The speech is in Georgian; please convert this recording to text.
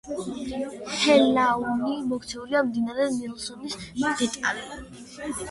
ჰელუანი მოქცეულია მდინარე ნილოსის დელტაში.